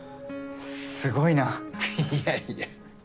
すごいな。ははっいやいや。